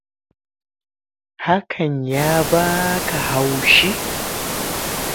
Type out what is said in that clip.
Hakan ya baka haushi?